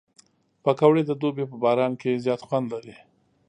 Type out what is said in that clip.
پکورې د دوبي په باران کې زیات خوند لري